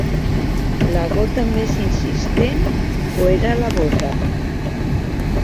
La gota més insistent, o era la bota?